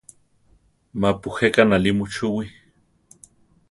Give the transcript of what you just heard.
Mapi jéka náli muchúwi.